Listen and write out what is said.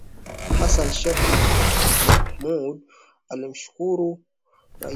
Hassan Sheikh Mohamud alimshukuru Rais Joe Biden katika siku ya Jumanne akiitaja Marekani